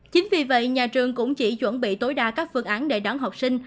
chính vì vậy nhà trường cũng chỉ chuẩn bị tối đa các phương án để đón học sinh